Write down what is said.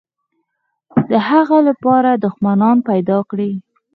د هغه لپاره دښمنان پیدا کړي.